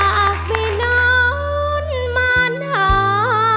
จากไม่นอนมานทา